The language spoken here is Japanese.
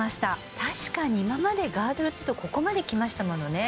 確かに今までガードルっていうとここまできましたものね